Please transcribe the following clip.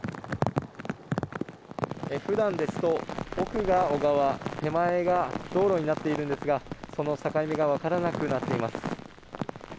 ふだんですと、奥が小川、手前が道路になっているんですが、その境目が分からなくなっています。